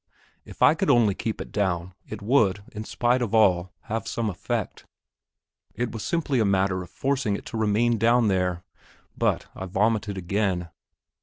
If I could only keep it down, it would, in spite of all, have some effect. It was simply a matter of forcing it to remain down there. But I vomited again.